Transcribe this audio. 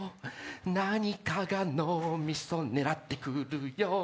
何かが脳みそ狙ってくるよ